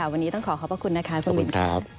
วันนี้ต้องขอขอบพระคุณนะคะคุณมินครับ